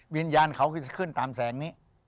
วิญญาณเขาคือจะขึ้นตามแสงนี้